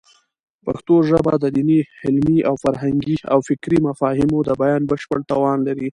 پښتو ژبه د دیني، علمي او فکري مفاهیمو د بیان بشپړ توان لري.